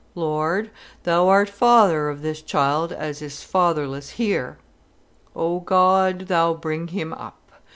Lord, Thou art Father of this childt as is fatherless here. O God, Thou bring him up.